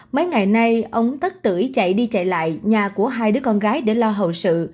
mấy ngày nay ông tất tuổi chạy đi chạy lại nhà của hai đứa con gái để lo hậu sự